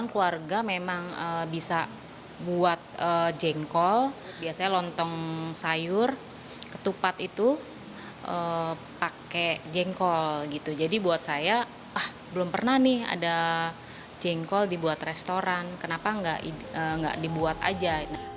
kenapa tidak dibuat saja